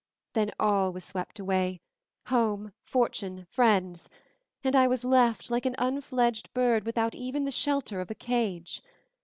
Then all was swept away, home, fortune, friends, and I was left, like an unfledged bird, without even the shelter of a cage.